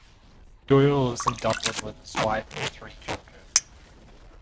Doyle lives in Dublin with his wife and three children.